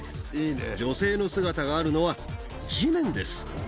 女性の姿があるのは、地面です。